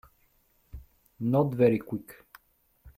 Not very Quick.